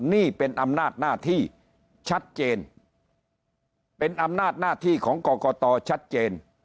นี่เป็นอำนาจหน้าที่ชัดเจนเป็นอำนาจหน้าที่ของกรกตชัดเจน